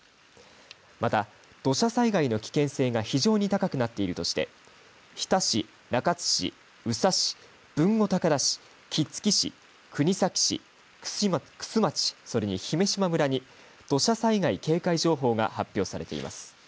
また土砂災害の危険性が非常に高くなっているとして、日田市、中津市、宇佐市、豊後高田市、杵築市、国東市、玖珠町それに姫島村に土砂災害警戒情報が発表されています。